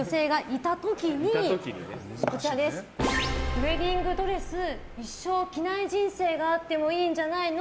ウェディングドレス一生着ない人生があってもいいんじゃないの？